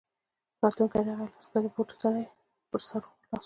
ساتونکی راغی او له عسکري بوټو سره یې پر لاس وخوت.